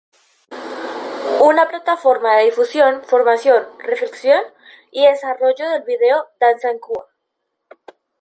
Una plataforma de difusión, formación, reflexión y desarrollo del video danza en Cuba.